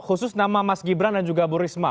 khusus nama mas gibran dan juga bu risma